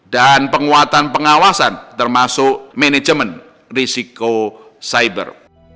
dan penguatan pengawasan termasuk manajemen risiko cyber